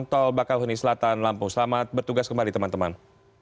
tol bakauheni selatan lampung selamat bertugas kembali teman teman